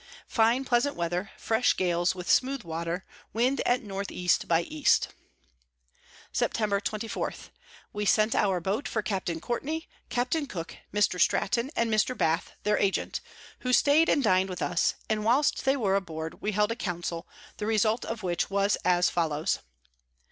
Fine pleasant Weather, fresh Gales with smooth Water, Wind at N E by E. Sept. 24. We sent our Boat for Capt. Courtney, Capt. Cook, Mr. Stratton, and Mr. Bath their Agent, who staid and din'd with us; and whilst they were aboard, we held a Council, the Result of which was as follows.